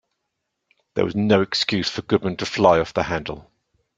There was no excuse for Goodman to fly off the handle.